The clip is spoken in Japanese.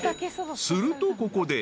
［するとここで］